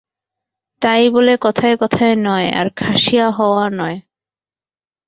তাই বলে কথায় কথায় নয়, আর খাসিয়া হওয়া নয়।